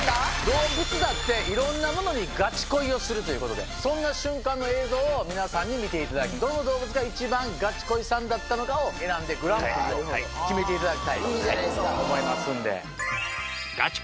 動物だっていろんなものにガチ恋をするということでそんな瞬間の映像を皆さんに見ていただきどの動物が一番ガチ恋さんだったのかを選んでグランプリを決めていただきたいと思います。